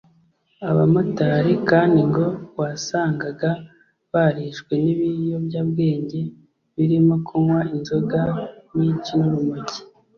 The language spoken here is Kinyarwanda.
Abamotari kandi ngo wasangaga barishwe n’ibiyobyabwenge birimo kunywa inzoga nyinshi n’urumogi